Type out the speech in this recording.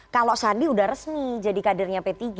kalau sandi udah resmi jadi kadernya p tiga